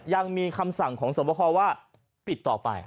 ยังมีคำสั่งของสวบคอว่าปิดต่อไป